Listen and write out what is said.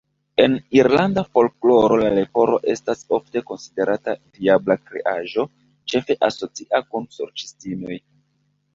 En irlanda folkloro la leporo estas ofte konsiderata diabla kreaĵo, ĉefe asocia kun sorĉistinoj.